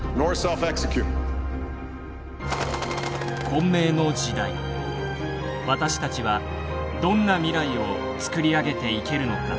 混迷の時代私たちはどんな未来を作り上げていけるのか。